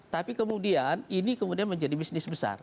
tapi kemudian ini kemudian menjadi bisnis besar